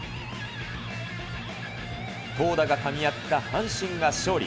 投打がかみ合った阪神が勝利。